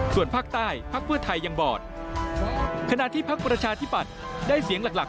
ส่วนภาคใต้พักเพื่อไทยยังบอดขณะที่พักประชาธิปัตย์ได้เสียงหลัก